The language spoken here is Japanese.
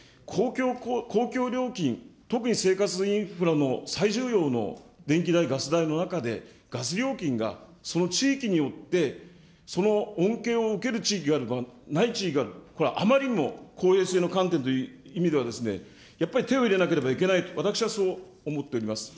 公共料金、特に生活インフラの最重要の電気代、ガス代の中で、ガス料金がその地域によって、その恩恵を受ける地域がある、ない地域がある、これはあまりにも公平性の観点からやっぱり手を入れなければいけないと、私はそう思っております。